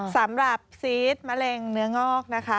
สำหรับซีสมะเร็งเนื้องอกนะคะ